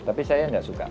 tapi saya enggak suka